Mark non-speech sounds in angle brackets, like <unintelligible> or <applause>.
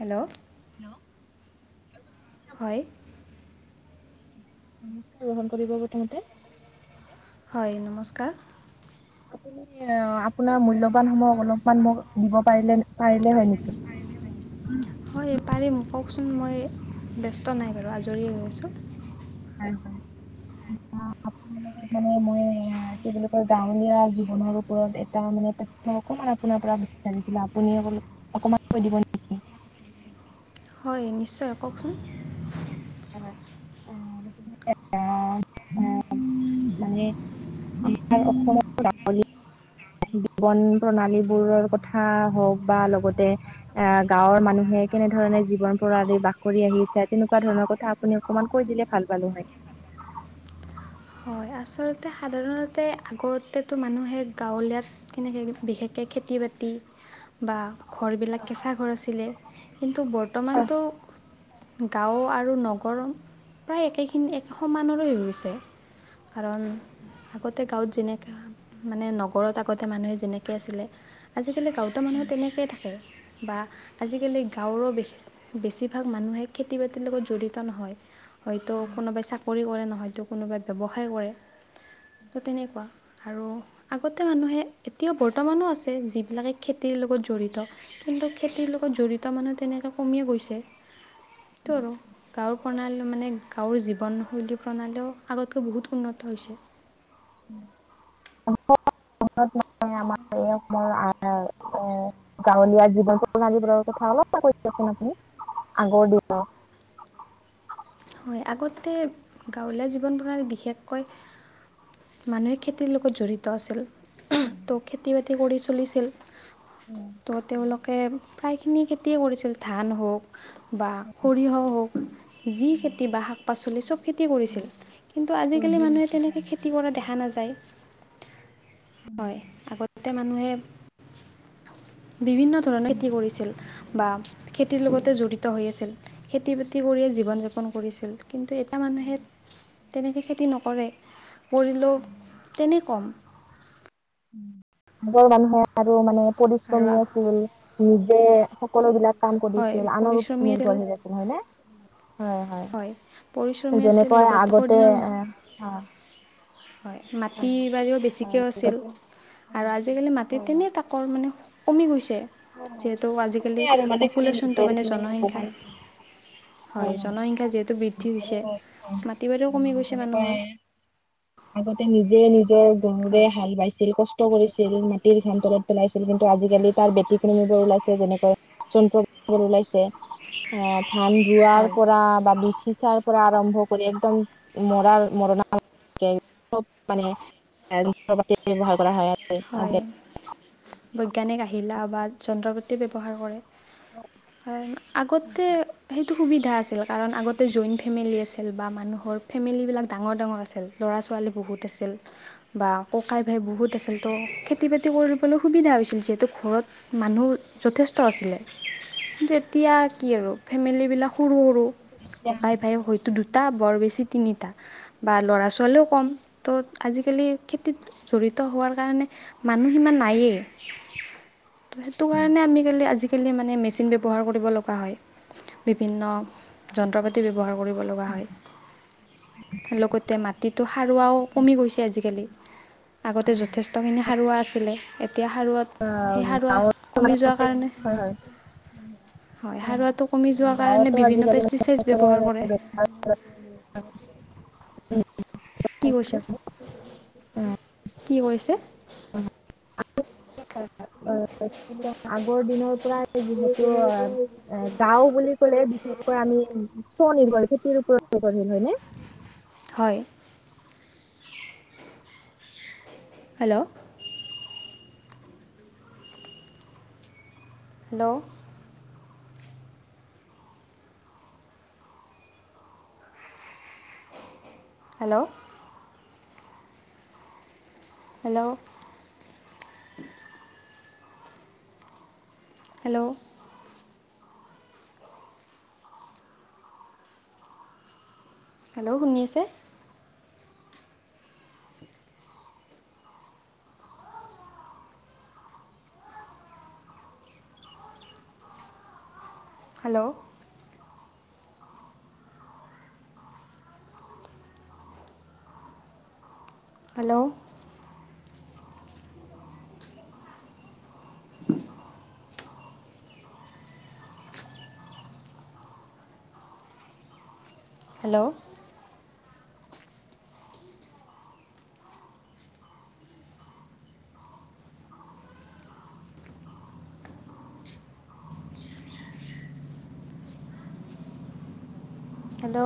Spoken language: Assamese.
হেল্ল' হেল্ল' হয়। নমস্কাৰ গ্ৰহণ কৰিব প্ৰথমতে হয় নমস্কাৰ আপুনি আপোনাৰ মূল্যৱান সমূহ অলপমান মোক দিব পাৰিলে পাৰিলে হয় নেকি? উম হয় পাৰিম কওকচোন, মই ব্যস্ত নাই বাৰু আজৰি হৈ আছোঁ। হয় হয়। <unintelligible> <unintelligible> মানে মই কি বুলি কয় গাঁৱলীয়া জীৱনৰ ওপৰত এটা মানে তথ্য অকমান আপোনাৰ পৰা বিছাৰিছিলো আপুনি অকণমান, অকণমান কৈ দিব নি? হয় নিশ্চয় কওকচোন <unintelligible> মানে আমাৰ অসমত জীৱন প্ৰণালী বোৰৰ কথা হওক বা লগতে আহ গাঁৱৰ মানুহে কেনেধৰণে জীৱন প্ৰণালীত বাস কৰি আহিছে তেনেকুৱা ধৰণৰ কথা আপুনি অকণমান কৈ দিলে ভাল পালো হয়। হয় আচলতে সাধাৰণতে আগতেতো মানুহে গাঁৱলীয়াত তেনেকৈ বিশেষকৈ খেতি-বাতি বা ঘৰবিলাক কেঁচা ঘৰ আছিলে কিন্তু বৰ্তমানতো গাঁও আৰু নগৰ প্ৰায় একেখিনি একে সমানলৈ গৈছে। কাৰণ আগতে গাঁৱত যেনেকে মানে নগৰত আগতে মানুহে যেনেকে আছিলে। আজিকালি গাঁৱতো মানুহে তেনেকৈ থাকে বা আজিকালি গাঁৱৰো বিশেষ বেছিভাগ মানুহে খেতি বাতিৰ লগত জড়িত নহয় হয়তো কোনোবাই চাকৰি কৰে নহয়তো কোনোবাই ব্যৱসায় কৰে ত' তেনেকুৱা আৰু আগতে মানুহে এতিয়াও বৰ্তমানো আছে যিবিলাকে খেতিৰ লগত জড়িত কিন্তু খেতিৰ লগত জড়িত মানুহ তেনেকা কমিয়ে গৈছে সেইটো আৰু গাঁৱৰ প্ৰণালী মানে গাঁৱৰ জীৱনশৈলী প্ৰণালীও আগত টো বহুত উন্নত হৈছে <unintelligible> এই গাঁৱলীয়া জীৱন প্ৰণালীবোৰৰ কথা অলপমান কৈ দিয়ক চোন আপুনি আগৰ দিনৰ হয় আগতে গাঁৱলীয়া জীৱন প্ৰণালী বিশেষকৈ মানুহে খেতিৰ লগত জড়িত আছিল ত' খেতি বাতি কৰি চলিছিল ত' তেওঁলোকে প্ৰায়খিনি খেতিয়ে কৰিছিল ধান হওক বা সৰিয়হ হওক যি খে তি বা শাক পাচলি চব খেতিয়ে কৰিছিল কিন্তু আজিকালি মানুহে তেনেকে খেতি কৰা দেখা নাযায়। হয়, আগতে মানুহে- বিভিন্ন ধৰণে খেতি কৰিছিল বা, খেতিৰ উম উম লগতে জড়িত হৈ আছিল। খেতি বাতি কৰিয়ে উম উম জীৱন যাপন কৰিছিল কিন্তু এটা মানুহে তেনেকে খেতি নকৰে কৰিলেও উম উম তেনে কম আগৰ মানুহে আৰু মানে আৰু পৰিশ্ৰমী আগ আছিল নিজে সকলো বিলাক কাম হয় কৰিছিল আনৰ পৰিশ্ৰমী ওপৰত নিৰ্ভৰশীল আছিল হয়নে। হয় পৰিশ্ৰমী হয় আছিল যেনেকৈ লগতে আগৰ আগতে দিনৰ এ- হয় হয় মাটি আগতে বাৰীও বেছিকৈ আছিল, আৰু আজিকালি মাটি হয় হয়। তেনেই তাকৰ মানে- কমি গৈছে, হয় যিহেতু আজিকালি আৰু মানে খালি পপুলেচনটো নিজৰ মানে খিনি জনসংখ্যা- অকমান হয় জনসংখ্যা যিহেতু বৃদ্ধি আৰু হৈছে মাটি বাৰীও কমি গৈছে যেনেকৈ মানুহৰ। আগতে নিজে নিজৰ গৰুৰে হয় হাল বাইছি- ছিল কষ্ট কৰিছিল মাটিৰ ঘাম তলত পেলাইছিল কিন্তু আজিকালি তাৰ ব্যতিক্ৰমি বোৰ ওলাইছে যেনেকৈ- যন্ত্ৰবোৰ ওলাইছে, আহ ধান ৰোৱাৰ হয় পৰা বা বিচি চাৰ- পৰা আৰম্ভ কৰি একদম মৰাৰ মৰণা- মানে যন্ত্ৰপাতিৰ ব্যৱহাৰ কৰা হয়, আ- হয়, বৈজ্ঞানিক আহিলা বা যন্ত্ৰপাতি ব্যৱহাৰ কৰে। হয়, আগতে সেইটো সুবিধা আছিল কাৰণ আগতে জইন ফেমিলি আছিল বা মানুহৰ ফেমিলিবিলাক ডাঙৰ ডাঙৰ আছিল। ল'ৰা ছোৱালী বহুত আছিল বা ককাই ভাই বহুত আছিল। তো খেতি বাতি কৰিবলৈ সুবিধা হৈছিল যিহেতু ঘৰত- মানুহ যথেষ্ট আছিলে, কিন্তু এ- এতিয়া কি আৰু ফেমিলিবিলাক সৰু সৰু ককাই ভাই হয়তো দুই তি- টা বৰ বেছি তিনিটা- বা ল'ৰা ছোৱালীও ক'ম, ত' আজিকালি খেতিত জড়িত হোৱাৰ- কাৰণে মানুহ সিমান নায়েই। ত সেইটো কাৰণে আমি কালি আজি কালি মানে মেচিন ব্যৱহাৰ কৰিব লগা হয়। বিভিন্ন যন্ত্ৰ পাতি ব্যৱহাৰ কৰিব লগা হয়। লগতে মাটিতো সাৰুৱাও কমি গৈছে আজিকালি, আগতে য- খিনি সাৰুৱা আছিলে, এতিয়া সাৰুৱা- সেই সাৰুৱা কমি যোৱাৰ কাৰণে- হয়। হয় সাৰুৱাটো কমি যোৱা কাৰণে বিভিন্ন পেষ্টিচাইচ ব্যৱহাৰ কৰে। আচছ <unintelligible> কি কৈছে, কি কৈছে। অ অ আগৰ দিনৰ পৰাই যিহেতু- এ গাওঁ বুলি ক'লে বিশেষকৈ আমি স্বনিৰ্ভৰশীল খেতিৰ ওপৰত নিৰ্ভৰশীল হয় নে। হয়। Hello hello hello hello hello hello শুনি আছে। Hello hello hello hello